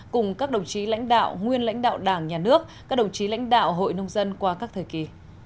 cùng các đồng chí lãnh đạo nguyên lãnh đạo đảng nhà nước các đồng chí lãnh đạo hội nông dân qua các thời kỳ